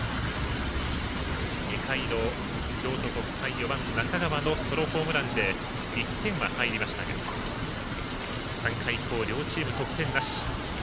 ２回の京都国際４番、中川のソロホームランで１点は入りましたが３回以降、両チーム得点なし。